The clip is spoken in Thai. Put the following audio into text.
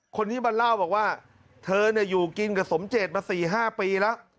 คนนี้มาเล่าบอกว่าเธออยู่กินกับสมเจตมา๔๕ปีแล้ว